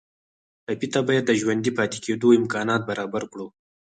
ټپي ته باید د ژوندي پاتې کېدو امکانات برابر کړو.